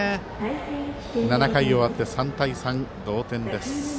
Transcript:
７回終わって、３対３同点です。